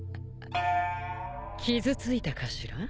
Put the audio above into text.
傷ついたかしら？